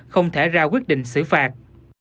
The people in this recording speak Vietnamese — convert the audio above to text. không thể ra quyết định xử phạt